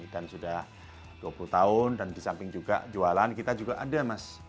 dan sudah dua puluh tahun dan di samping juga jualan kita juga ada mas